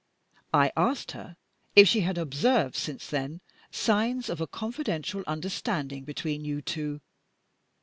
I asked her if she had observed, since then, signs of a confidential understanding between you two.